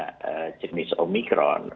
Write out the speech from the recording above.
sebenarnya jenis omikron